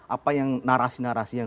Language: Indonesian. apa yang narasi narasi yang